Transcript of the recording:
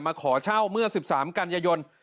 ขอเช่าเมื่อ๑๓กันยายน